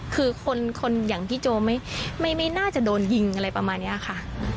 คือคนอย่างพี่โจไม่น่าจะโดนยิงอะไรประมาณนี้ค่ะ